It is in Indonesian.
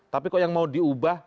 tapi kok yang mau diubah